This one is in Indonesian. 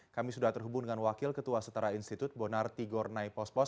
kami sudah terhubung dengan wakil ketua setara institut bonarti gornai pospos